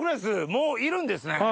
もういるんですね。